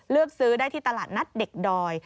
เลือกซื้อได้ที่ตลาดนัดเด็กดอย